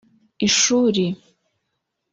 ishuri